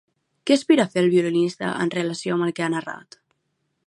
Què aspira a fer el violinista en relació amb el que ha narrat?